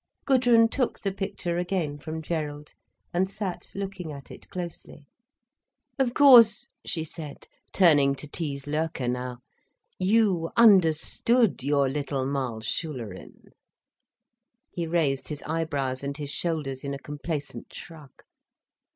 Gudrun took the picture again from Gerald, and sat looking at it closely. "Of course," she said, turning to tease Loerke now, "you understood your little Malschülerin." He raised his eyebrows and his shoulders in a complacent shrug.